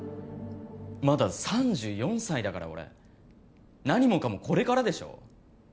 まだ３４歳だから俺何もかもこれからでしょ？